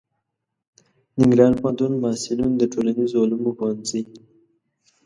ننګرهار پوهنتون محصلینو د ټولنیزو علومو پوهنځي